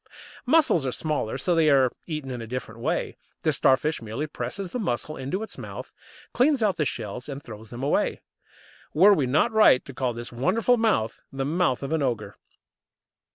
Mussels are smaller, so they are eaten in a different way. The Starfish merely presses the mussel into its mouth, cleans out the shells, and throws them away. Were we not right to call this wonderful mouth the mouth of an ogre?